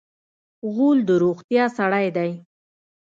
غول د روغتیا سړی دی.